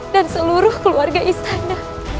dan seluruh keluarga istana